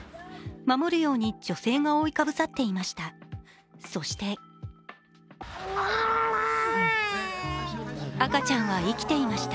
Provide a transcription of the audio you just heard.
守るように女性が覆いかぶさっていました。